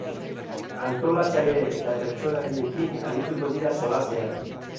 Antolatzaile eta bertsolariekin arituko dira solasean.